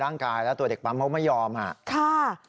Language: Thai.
ร่างกายตัวเด็กปั๊มไม่ยอมอ่ะ